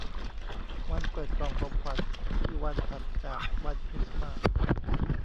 วันเปิดกล่องของขวัญคือวันถัดจากวันคริสต์มาส